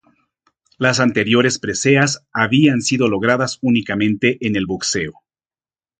Las anteriores preseas habían sido logradas únicamente en el boxeo.